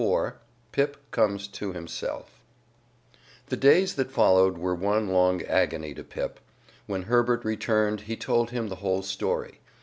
IV PIP COMES TO HIMSELF The days that followed were one long agony to Pip. When Herbert returned he told him the whole story.